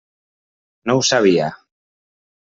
No ho sabia.